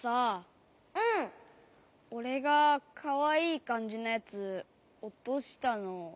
おれがかわいいかんじのやつおとしたのみたよね？